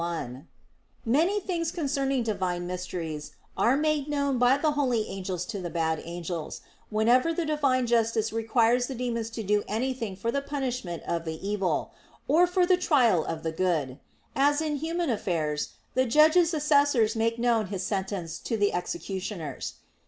1: Many things concerning Divine mysteries are made known by the holy angels to the bad angels, whenever the Divine justice requires the demons to do anything for the punishment of the evil; or for the trial of the good; as in human affairs the judge's assessors make known his sentence to the executioners.